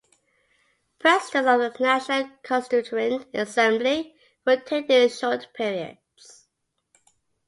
Presidents of the National Constituent Assembly rotated in short periods.